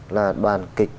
là đoàn kịch